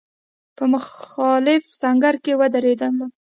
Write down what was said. په مخالف سنګر کې ودرېدلم.